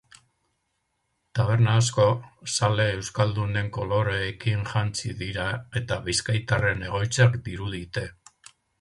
Taberna asko, zale euskaldunen koloreekin jantzi dira eta bizkaitarren egoitzak dirudite.